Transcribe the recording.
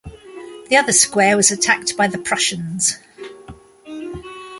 The other square was attacked by the Prussians.